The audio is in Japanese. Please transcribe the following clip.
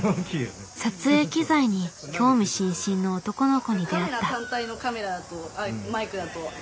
撮影機材に興味津々の男の子に出会った。